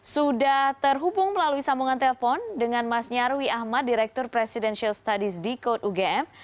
sudah terhubung melalui sambungan telpon dengan mas nyarwi ahmad direktur presidential studies di code ugm